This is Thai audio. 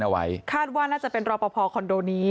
เอาไว้คาดว่าน่าจะเป็นรอปภคอนโดนี้